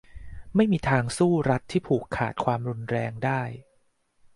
ไม่มีทางสู้รัฐที่ผูกขาดความรุนแรงได้